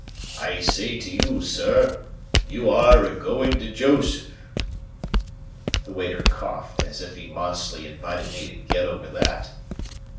I say to you, Sir, you air a going to Joseph." The waiter coughed, as if he modestly invited me to get over that.